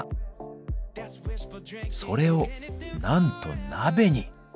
それをなんと鍋に！